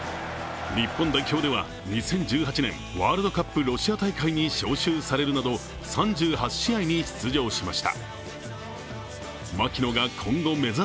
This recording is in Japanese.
日本代表では２０１８年、ワールドカップロシア大会に招集されるなど３８試合に出場しました。